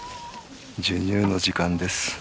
授乳の時間です。